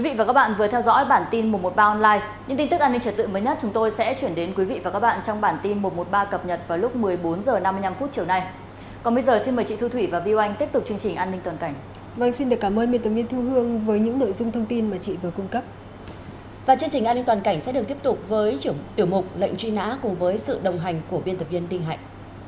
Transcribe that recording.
và chương trình an ninh toàn cảnh sẽ được tiếp tục với tiểu mục lệnh truy nã cùng với sự đồng hành của biên tập viên tinh hạnh